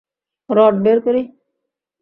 Rod বের করি?